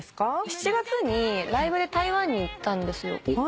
７月にライブで台湾に行ったんですよ。